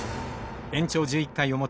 延長１１回表。